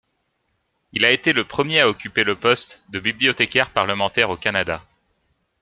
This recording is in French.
Il a été le premier à occuper le poste de bibliothécaire parlementaire du Canada.